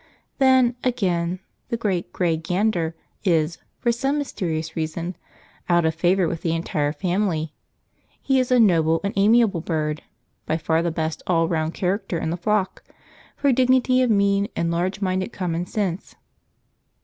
Then, again, the great, grey gander is, for some mysterious reason, out of favour with the entire family. He is a noble and amiable bird, by far the best all round character in the flock, for dignity of mien and large minded common sense.